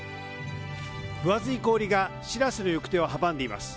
分厚い氷が、しらせの行く手を阻んでいます。